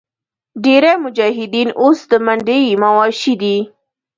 ډېری مجاهدین اوس د منډیي مواشي دي.